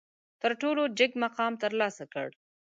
تر ټولو جګ مقام ترلاسه کړ.